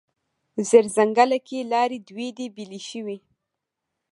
زیړ ځنګله کې لارې دوې دي، بیلې شوې